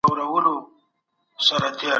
له شر څخه ځان وژغورئ.